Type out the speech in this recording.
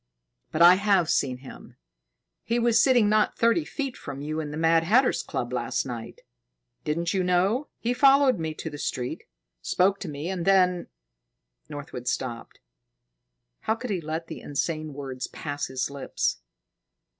"But I have seen him. He was sitting not thirty feet from you in the Mad Hatter's Club last night. Didn't you know? He followed me to the street, spoke to me, and then " Northwood stopped. How could he let the insane words pass his lips?